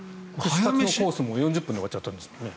フルコースも４０分で終わっちゃったんですよね。